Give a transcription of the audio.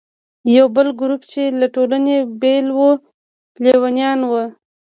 یو بل ګروپ چې له ټولنې بېل و، لیونیان وو.